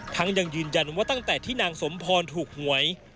ยังยืนยันว่าตั้งแต่ที่นางสมพรถูกหวย